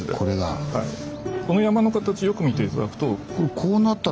この山の形よく見て頂くと。